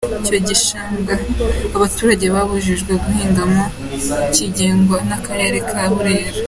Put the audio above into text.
Icyo gishanga abaturage babujijwe guhingamo kigengwa n’Akarere ka Burera.